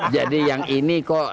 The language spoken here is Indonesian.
jadi yang ini kok